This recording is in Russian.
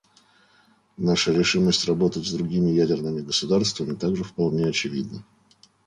Наша решимость работать с другими ядерными государствами также вполне очевидна.